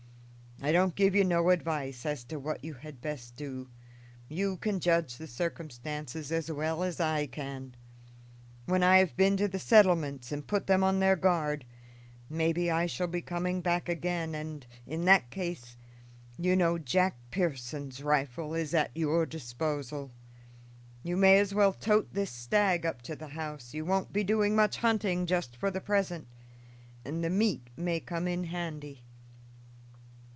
I don't give you no advice as to what you had best do; you can judge the circumstances as well as I can. When I have been to the settlements and put them on their guard, maybe I shall be coming back again, and, in that case, you know Jack Pearson's rifle is at your disposal. You may as well tote this stag up to the house. You won't be doing much hunting just for the present, and the meat may come in handy."